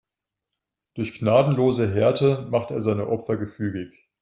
Durch gnadenlose Härte macht er seine Opfer gefügig.